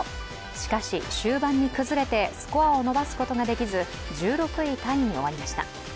しかし、終盤に崩れてスコアを伸ばすことができず１６位タイに終わりました。